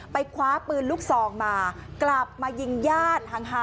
คว้าปืนลูกซองมากลับมายิงญาติห่าง